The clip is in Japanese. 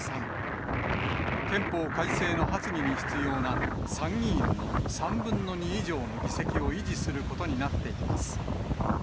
憲法改正の発議に必要な参議院の３分の２以上の議席を維持することになっています。